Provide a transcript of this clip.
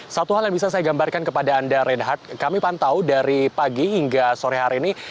satu hal yang bisa saya gambarkan kepada anda reinhardt kami pantau dari pagi hingga sore hari ini